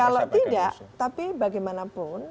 kalau tidak tapi bagaimanapun